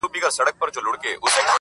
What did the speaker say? کومه ورځ چي تاته زه ښېرا کوم~